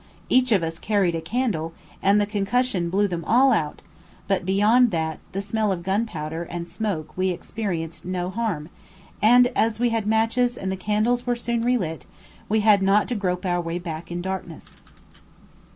Each of us carried a candle, and the concussion blew them all out; but beyond that, the smell of gunpowder, and smoke, we experienced no harm, and as we had matches and the candles were soon relit, we had not to grope our way back in darkness.